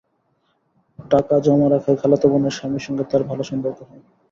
টাকা জমা রাখায় খালাতো বোনের স্বামীর সঙ্গে তাঁর ভালো সম্পর্ক হয়।